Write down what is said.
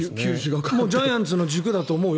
ジャイアンツの軸だと思うよ。